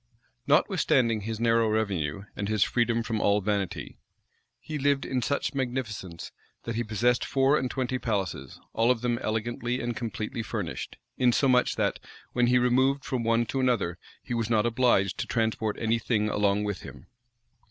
Notwithstanding his narrow revenue, and his freedom from all vanity, he lived in such magnificence, that he possessed four and twenty palaces, all of them elegantly and completely furnished; insomuch that, when he removed from one to another, he was not obliged to transport any thing along with him.